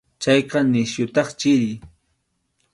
Chayqa nisyutaq chiri.